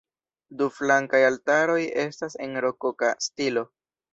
Du flankaj altaroj estas en rokoka stilo.